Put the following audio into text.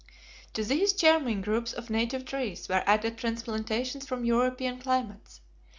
To these charming groups of native trees were added transplantations from European climates.